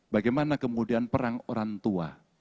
bagaimana kemudian perang orang tua